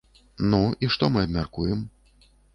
Ну, і што мы абмяркуем?